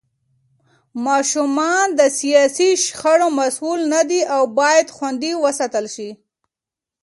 ماشومان د سياسي شخړو مسوول نه دي او بايد خوندي وساتل شي.